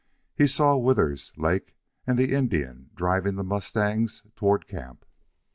He saw Withers, Lake, and the Indian driving the mustangs toward camp.